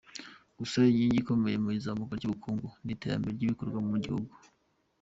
Gusa inkingi ikomeye mu izamuka ry’ubukungu, ni iterambere ry’ibikorerwa mu gihugu.